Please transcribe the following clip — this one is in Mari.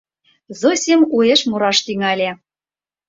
Зосим уэш мураш тӱҥале: